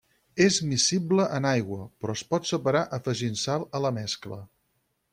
És miscible en aigua, però es pot separar afegint sal a la mescla.